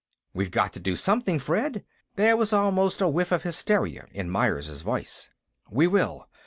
"We've got to do something, Fred!" There was almost a whiff of hysteria in Myers' voice. "We will.